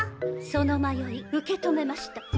その迷い受け止めました。